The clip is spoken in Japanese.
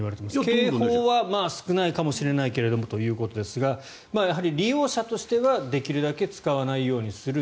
警報はまあ、少ないかもしれないけれどもということですがやはり利用者としてはできるだけ使わないようにする。